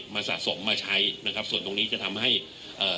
สะสมมาใช้นะครับส่วนตรงนี้จะทำให้เอ่อ